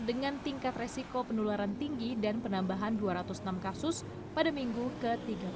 dengan tingkat resiko penularan tinggi dan penambahan dua ratus enam kasus pada minggu ke tiga puluh enam